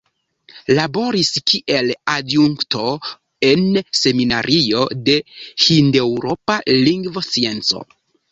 Laboris kiel adjunkto en Seminario de Hindeŭropa Lingvoscienco.